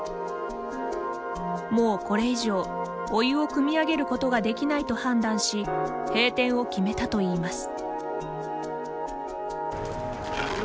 もうこれ以上お湯をくみ上げることができないと判断し閉店を決めたといいます。